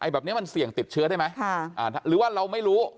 แบบนี้มันเสี่ยงติดเชื้อได้ไหมหรือว่าเราไม่รู้